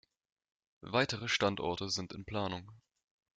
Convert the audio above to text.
Weitere Standorte sind in Planung.